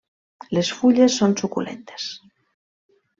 Les fulles són suculentes.